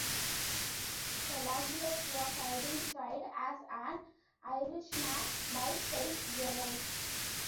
Pelagius was identified as an Irishman by Saint Jerome.